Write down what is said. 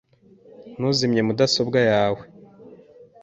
Ntuzimye mudasobwa yawe .